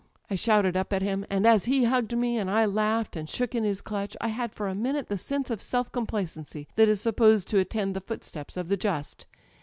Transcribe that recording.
* I shouted up at him; and as he hugged me, and I laughed and shook in his clutch, I had for a minute the sense of self complacency that is supposed to attend the footsteps of the just.